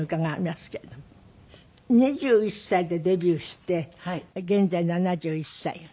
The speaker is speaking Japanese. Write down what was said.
２１歳でデビューして現在７１歳。